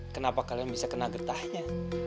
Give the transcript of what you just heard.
kenapa kalian bisa kena getahnya